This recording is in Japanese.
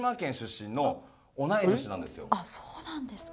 そうなんですか。